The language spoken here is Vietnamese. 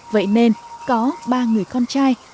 vậy nên có ba người con trai